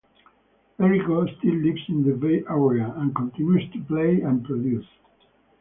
Errico still lives in the Bay Area, and continues to play and produce.